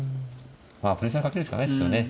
プレッシャーかけるしかないですよね。